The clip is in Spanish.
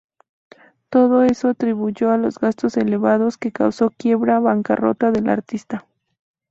Todo eso atribuyó a los gastos elevados que causó quiebra bancarrota del artista.